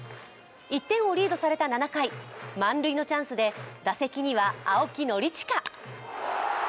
１点をリードされた７回、満塁のチャンスで打席には青木宣親。